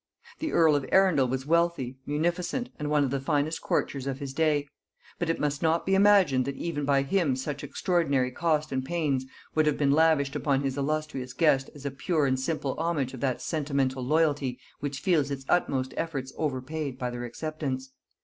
The earl of Arundel was wealthy, munificent, and one of the finest courtiers of his day: but it must not be imagined that even by him such extraordinary cost and pains would have been lavished upon his illustrious guest as a pure and simple homage of that sentimental loyalty which feels its utmost efforts overpaid by their acceptance.